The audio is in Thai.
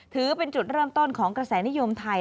ถือเป็นจุดเริ่มต้นของกระแสนิยมไทย